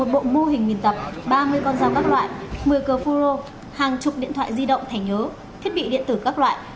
một bộ mô hình nghìn tập ba mươi con dao các loại một mươi cờ phun rô hàng chục điện thoại di động thẻ nhớ thiết bị điện tử các loại